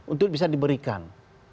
untuk bisa diberikan